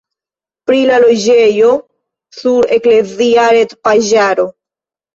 Pri la preĝejo sur eklezia retpaĝaro.